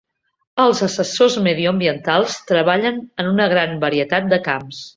Els assessors mediambientals treballen en una gran varietat de camps.